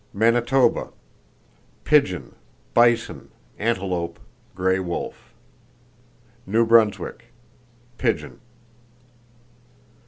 Manitoba: Pigeon; bison, antelope, gray wolf. New Brunswick: Pigeon.